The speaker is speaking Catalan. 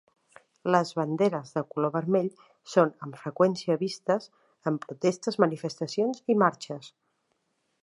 Les banderes de color vermell són amb freqüència vistes en protestes, manifestacions i marxes.